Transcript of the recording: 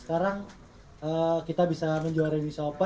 setelah kita udah bisa juara olimpiade